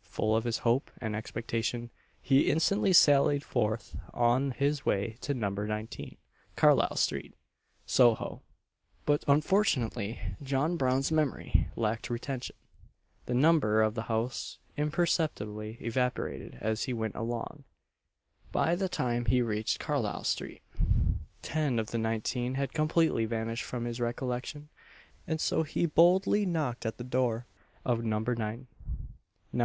Full of this hope and expectation, he instantly sallied forth on his way to No. 19, Carlisle street, Soho; but, unfortunately, John Brown's memory "lacked retention" the number of the house imperceptibly evaporated as he went along by the time he reached Carlisle street, ten of the nineteen had completely vanished from his recollection, and so he boldly knocked at the door of No. 9. Now No.